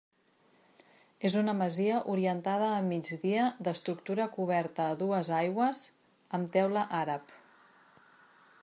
És una masia orientada a migdia d'estructura coberta a dues aigües amb teula àrab.